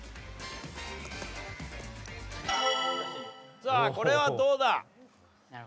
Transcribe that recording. さあこれはどうだ？